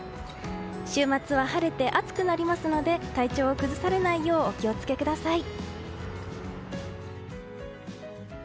週末は晴れて暑くなりますので体調を崩されないようお気を付けください。